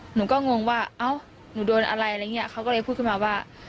หนูก็งงว่าเอ้าหนูโดนอะไรอะไรอย่างเงี้ยเขาก็เลยพูดขึ้นมาว่า